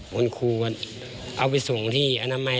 ผมคือว่าเอาไปส่งที่อนามัย